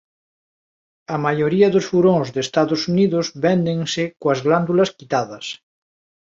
A maioría dos furóns de Estados Unidos véndense coas glándulas quitadas.